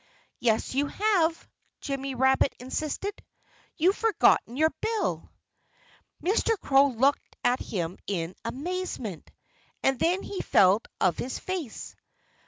"Yes, you have!" Jimmy Rabbit insisted. "You've forgotten your bill!" Mr. Crow looked at him in amazement. And then he felt of his face.